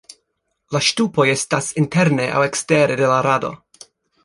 La ŝtupoj estas interne aŭ ekstere de la rado.